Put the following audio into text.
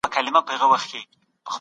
زندان د فزیکي زور په ډله کې راځي.